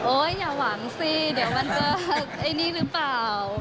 อย่าหวังสิเดี๋ยวมันจะไอ้นี่หรือเปล่า